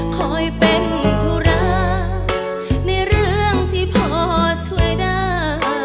คอยเป็นธุระในเรื่องที่พอช่วยได้